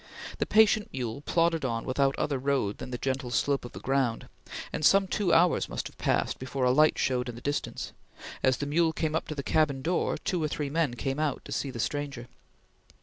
The patient mule plodded on without other road than the gentle slope of the ground, and some two hours must have passed before a light showed in the distance. As the mule came up to the cabin door, two or three men came out to see the stranger.